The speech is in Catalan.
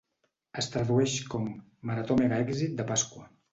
Es tradueix com "Marató Megaéxit de Pasqua".